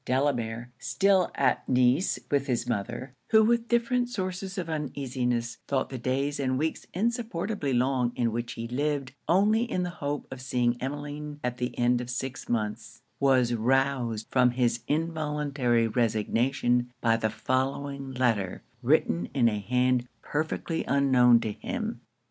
Delamere, (still at Nice with his mother,) who with different sources of uneasiness thought the days and weeks insupportably long in which he lived only in the hope of seeing Emmeline at the end of six months, was roused from his involuntary resignation by the following letter, written in a hand perfectly unknown to him.